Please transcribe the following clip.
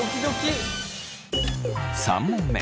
３問目。